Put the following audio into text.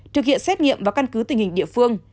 thực hiện xét nghiệm và căn cứ tình hình địa phương